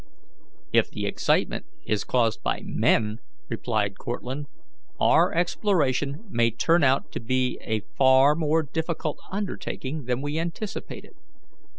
"If the excitement is caused by men," replied Cortlandt, "our exploration may turn out to be a far more difficult undertaking than we anticipated.